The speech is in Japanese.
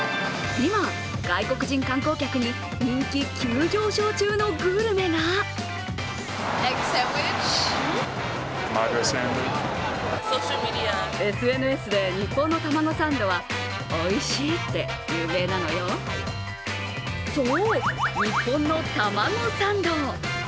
今、外国人観光客に人気急上昇中のグルメがそう、日本のタマゴサンド。